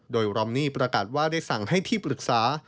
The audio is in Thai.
โดยรอมนี่ประกาศว่าได้สั่งให้ที่ปรึกษา